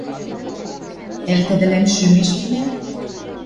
«Ӓль тӹдӹлӓн шӱмеш линӓм?